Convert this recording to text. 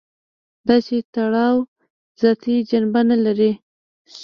دا چې تړاو ذاتي جنبه نه لري.